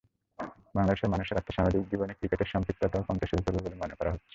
বাংলাদেশের মানুষের আর্থসামাজিক জীবনে ক্রিকেটের সম্পৃক্ততাও কমতে শুরু করবে বলে মনে করা হচ্ছে।